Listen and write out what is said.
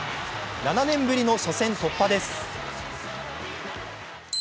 ７年ぶりの初戦突破です。